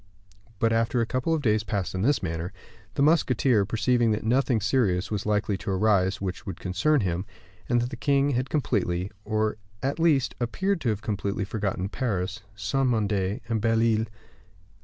But after a couple of days passed in this manner, the musketeer, perceiving that nothing serious was likely to arise which would concern him, and that the king had completely, or, at least, appeared to have completely forgotten Paris, Saint Mande, and Belle Isle that M.